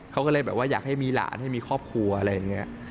เค้าก็เลยอยากให้มีหลานที่มีครอบครัวอะไรอย่างเงี้ย